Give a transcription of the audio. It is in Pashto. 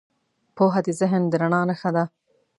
پوهه د ذهن د رڼا نښه ده.